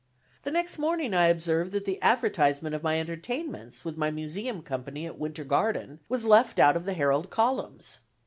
The next morning I observed that the advertisement of my entertainments with my Museum Company at Winter Garden was left out of the Herald columns.